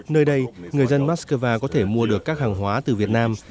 nơi đây người dân mát xcơ va có thể mua được các hàng hóa từ việt nam